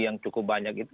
yang cukup banyak itu